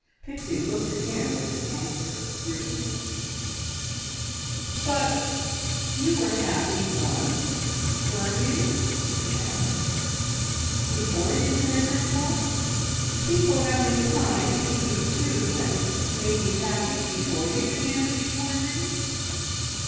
Pixie looked at him with an anxious scrutiny. "But you were happy once, weren't you," she asked, "before you were miserable? People have been kind to you too, and made you happy before you began to be worried?"